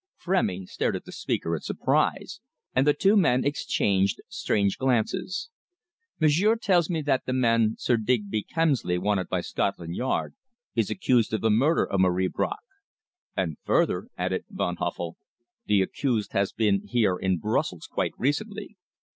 Frémy stared at the speaker in surprise, and the two men exchanged strange glances. "Monsieur tells me that the man, Sir Digby Kemsley, wanted by Scotland Yard, is accused of the murder of Marie Bracq and, further," added Van Huffel, "the accused has been here in Brussels quite recently."